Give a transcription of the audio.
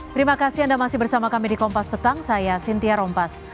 terima kasih anda masih bersama kami di kompas petang saya sintia rompas